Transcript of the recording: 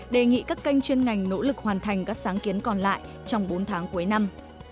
đề nghị các kênh chuyên ngành nỗ lực hoàn thành các sáng kiến còn lại trong bốn tháng cuối năm